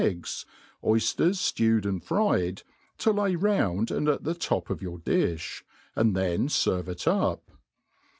eggs, oyfters (lewed and fried, to lay round and at the top of your difb, and then ferve it up.